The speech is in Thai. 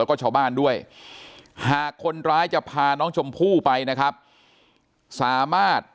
แล้วก็ชาวบ้านด้วยหากคนร้ายจะพาน้องชมพู่ไปนะครับสามารถ